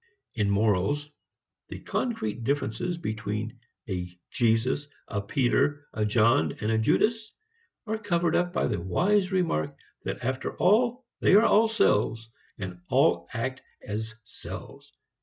In morals, the concrete differences between a Jesus, a Peter, a John and a Judas are covered up by the wise remark that after all they are all selves and all act as selves.